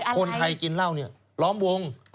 คนไทยกินเหล้าเนี่ยล้อมวง